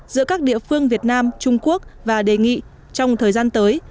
giữa các địa phương việt nam trung quốc và đề nghị trong thời gian tới